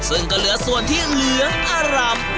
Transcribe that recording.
ซึ่งก็เหลือส่วนที่เหลืองอร่ำ